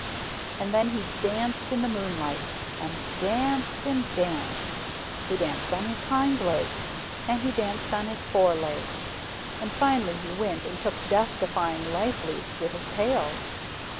And then he danced in the moonlight. And he danced and he danced. He danced on his hind legs, and he danced on his fore legs, and finally he went and took Death defying life leaps with his tail.